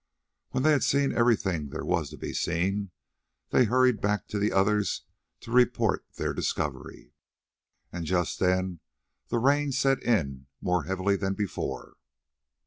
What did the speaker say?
When they had seen everything there was to be seen, they hurried back to the others to report their discovery, and just then the rain set in more heavily than before.